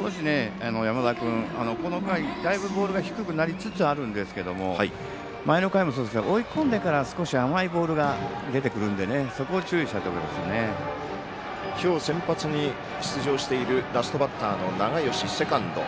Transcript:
少し山田君この回、だいぶボールが低くなりつつあるんですけど前の回もそうですが追い込んでから少し甘いボールが出てくるので今日先発に出場しているラストバッターの永吉、セカンド。